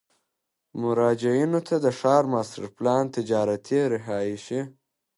مراجعینو ته د ښار ماسټر پلان، تجارتي، رهایشي،